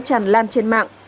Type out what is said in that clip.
tràn lan trên mạng